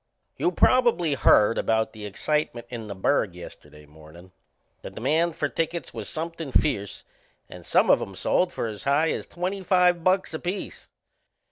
You probably heard about the excitement in the burg yesterday mornin'. The demand for tickets was somethin' fierce and some of 'em sold for as high as twenty five bucks apiece.